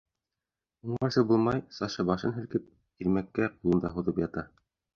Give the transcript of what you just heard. Уңарсы булмай Саша башын һелкеп, Ирмәккә ҡулын да һуҙып ята.